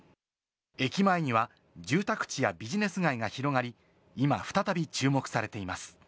駅前には住宅地やビジネス街が広がり、今再び注目されています。